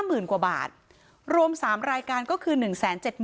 ตำรวจบอกว่าภายในสัปดาห์เนี้ยจะรู้ผลของเครื่องจับเท็จนะคะ